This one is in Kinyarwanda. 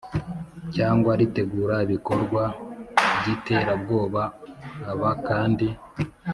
Cyangwa ritegura ibikorwa by iterabwoba aba kandi